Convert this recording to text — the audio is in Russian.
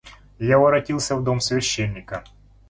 Я воротился в дом священника.